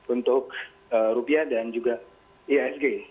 untuk rupiah dan juga ihsg